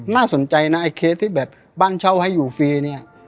น่าสนใจนะไอ้เคสที่แบบบ้านเช่าให้อยู่ฟรีเนี่ย